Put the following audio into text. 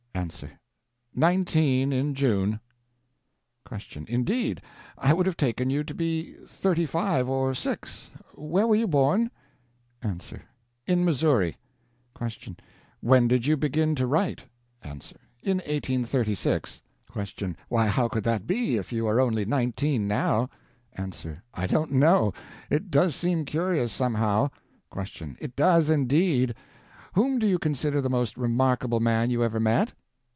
A. Nineteen, in June. Q. Indeed. I would have taken you to be thirty five or six. Where were you born? A. In Missouri. Q. When did you begin to write? A. In 1836. Q. Why, how could that be, if you are only nineteen now? A. I don't know. It does seem curious, somehow. Q. It does, indeed. Whom do you consider the most remarkable man you ever met?